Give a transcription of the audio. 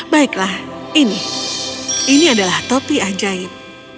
baiklah ini ini adalah topi ajaib